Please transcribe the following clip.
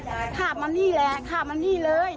คาบมานี่แหละคาบมานี่เลย